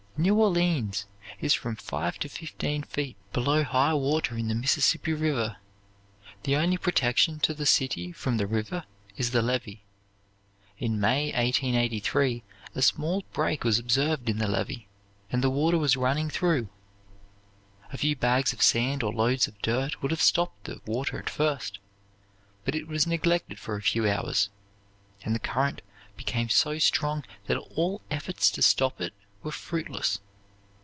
New Orleans is from five to fifteen feet below high water in the Mississippi River. The only protection to the city from the river is the levee. In May, 1883, a small break was observed in the levee, and the water was running through. A few bags of sand or loads of dirt would have stopped the water at first; but it was neglected for a few hours, and the current became so strong that all efforts to stop it were fruitless.